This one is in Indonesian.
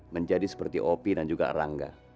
menjadi seperti opi dan juga rangga